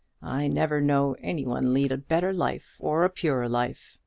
I never knew any one lead a better or a purer life.